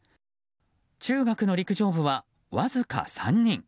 中学の陸上部はわずか３人。